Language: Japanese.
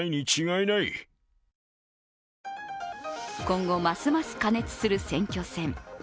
今後、ますます過熱する選挙戦。